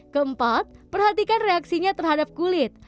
keempat perhatikan reaksinya terhadap kulit